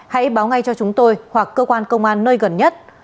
hãy báo ngay cho chúng tôi hoặc cơ quan công an nơi gần nhất